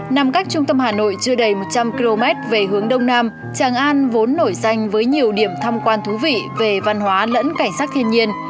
nằm cách trung tâm hà nội chưa đầy một trăm linh km về hướng đông nam tràng an vốn nổi danh với nhiều điểm thăm quan thú vị về văn hóa lẫn cảnh sắc thiên nhiên